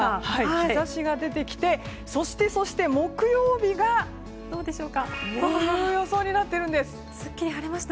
日差しが出てきてそして、木曜日がこの予想になっています。